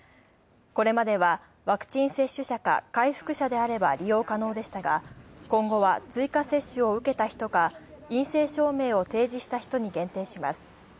これまではワクチン接種者か回復者であれば利用可能でしたが今後は、追加接種を受けた人か陰性証明を提示した人に限定します。